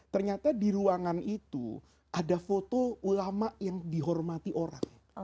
ternyata di ruangan itu ada foto ulama yang dihormati orang